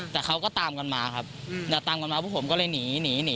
แต่เขาก็ตามกันมาครับตามกันมาพวกผมก็เลยหนีหนี